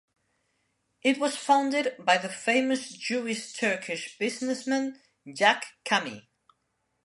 It was founded by the famous Jewish Turkish businessman Jak Kamhi.